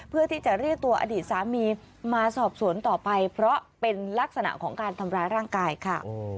เพื่อที่จะเรียกตัวอดีตสามีมาสอบสวนต่อไปเพราะเป็นลักษณะของการทำร้ายร่างกายค่ะ